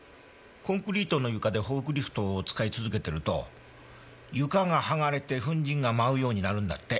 コンクリートの床でフォークリフトを使い続けてると床がはがれて粉塵が舞うようになるんだって。